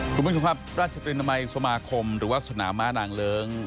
คุณผู้ชมครับราชตรีนามัยสมาคมหรือว่าสนามม้านางเลิ้ง